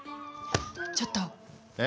ちょっと！え？